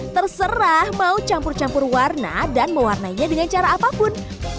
terserah mau campur campur warna dan mewarnainya dengan cara apapun